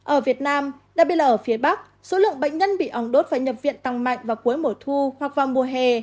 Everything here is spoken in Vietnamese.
ở việt nam đặc biệt là ở phía bắc số lượng bệnh nhân bị óng đốt và nhập viện tăng mạnh vào cuối mùa thu hoặc vào mùa hè